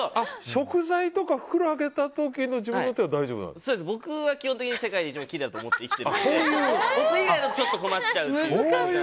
食材とか袋開ける時の自分の手は僕は基本的に世界で一番きれいだと思って生きてるので僕以外はちょっと困っちゃう。